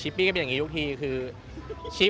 ชิปปี้คิดจริงไหมคะ